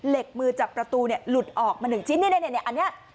เหล็กมือจับประตูเนี่ยหลุดออกมาหนึ่งชิ้นนี่เนี่ยเนี่ยเนี่ยอันเนี้ย